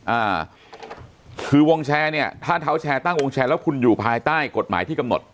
อ่าคือวงแชร์เนี่ยถ้าเท้าแชร์ตั้งวงแชร์แล้วคุณอยู่ภายใต้กฎหมายที่กำหนด